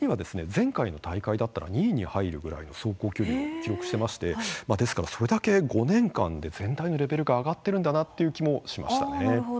前回の大会だったら２位に入るぐらいの走行距離を記録してましてですから、それだけ５年間で全体のレベルが上がってるんだなっていう気もしましたね。